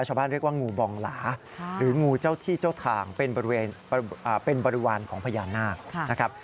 ชาวบ้านเรียกว่างูเจ้าที่เจ้าทางเป็นบริวารของพญานาคนะครับ